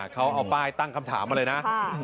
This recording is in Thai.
เขาเอาป้ายตั้งคำถามมาเลยนะ